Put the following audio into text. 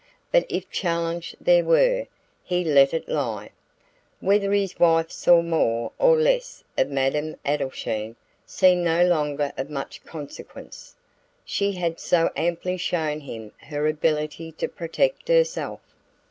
But if challenge there were, he let it lie. Whether his wife saw more or less of Madame Adelschein seemed no longer of much consequence: she had so amply shown him her ability to protect herself.